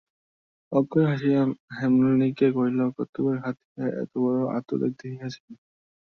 অক্ষয় হাসিয়া হেমনলিনীকে কহিল, কর্তব্যের খাতিরে এতবড়ো আত্মত্যাগ দেখিয়াছেন?